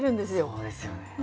そうですよね。